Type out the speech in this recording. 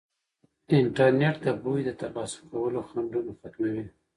انټرنیټ د پوهې د ترلاسه کولو خنډونه ختموي.